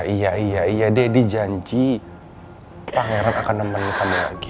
iya iya iya deddy janji pangeran akan nemenin kamu lagi